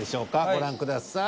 ご覧ください。